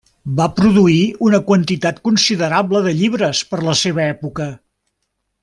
Va produir una quantitat considerable de llibres per la seva època.